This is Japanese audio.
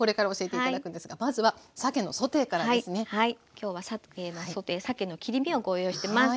今日はさけのソテーさけの切り身をご用意してます。